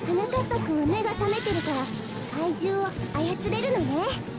ぱくんはめがさめてるからかいじゅうをあやつれるのね。